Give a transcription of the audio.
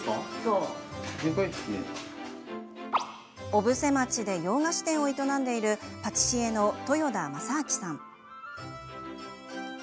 小布施町で洋菓子店を営んでいるパティシエの樋田昌朗さん。